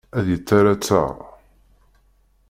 Ad yettarra ttaṛ.